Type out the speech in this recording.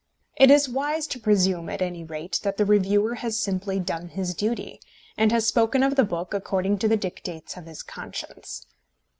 It is wise to presume, at any rate, that the reviewer has simply done his duty, and has spoken of the book according to the dictates of his conscience.